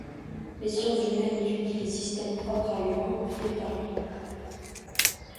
Les sciences humaines étudient les systèmes propres à l'humain ou créés par lui.